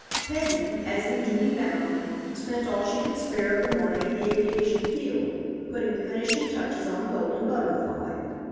Peggy, as in duty bound, spent all she could spare of the morning at the aviation field, putting the finishing touches on the Golden Butterfly.